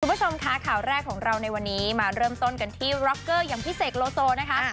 คุณผู้ชมคะข่าวแรกของเราในวันนี้มาเริ่มต้นกันที่อย่างพิเศษนะคะ